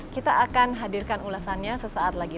kita akan hadirkan ulasannya sesaat lagi